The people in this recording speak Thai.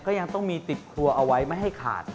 ยังต้องมีติดครัวเอาไว้ไม่ให้ขาด